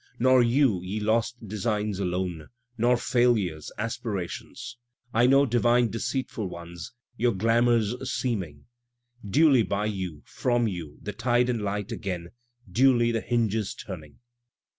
Nor you, ye lost designs alone — nor failures, aspirations; I know, divine deceitful ones, your glamour's seeming; Duly by you, from you, the tide and light again — duly the hinges turning.